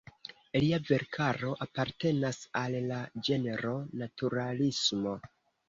Lia verkaro apartenas al la ĝenro naturalismo.